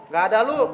gak ada lu